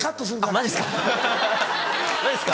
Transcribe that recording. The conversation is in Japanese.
マジっすか。